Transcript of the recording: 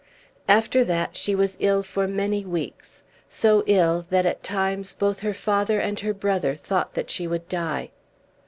After that she was ill for many weeks, so ill that at times both her father and her brother thought that she would die.